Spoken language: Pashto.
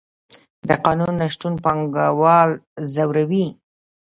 د قانون نشتون پانګوال ځوروي.